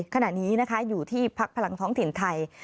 ขณะนี้นะคะอยู่ที่พักพลังท้องถิ่นไทย